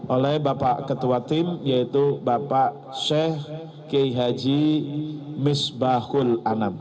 oleh bapak ketua tim yaitu bapak sheikh k h misbahul anam